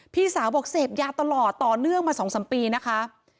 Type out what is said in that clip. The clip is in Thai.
พี่สาวบอกเสพยาตลอดต่อเนื่องมา๒๓ปีนะคะ